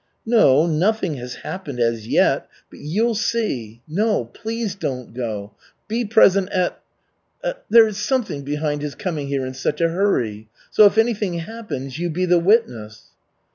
"No, nothing has happened as yet, but you'll see. No, please don't go! Be present at There is something behind his coming here in such a hurry. So, if anything happens you be the witness."